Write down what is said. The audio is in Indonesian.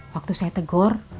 waktu saya tegor